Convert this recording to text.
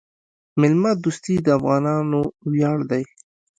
میلمه دوستي د افغانانو ویاړ دی.